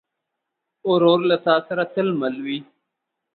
ورور له تا سره تل مل وي.